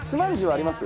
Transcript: あります。